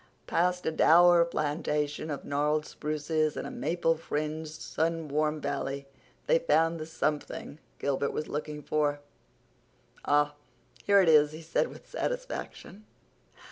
Past a dour plantation of gnarled spruces and a maple fringed, sun warm valley they found the "something" Gilbert was looking for. "Ah, here it is," he said with satisfaction.